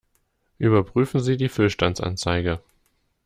Überprüfen Sie die Füllstandsanzeige!